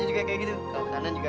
jum'in ya pak